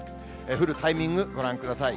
降るタイミング、ご覧ください。